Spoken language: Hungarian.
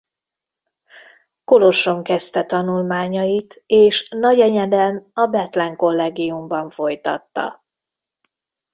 Koloson kezdte tanulmányait és Nagyenyeden a Bethlen-kollegiumban folytatta.